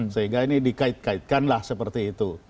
sehingga ini dikait kaitkanlah seperti itu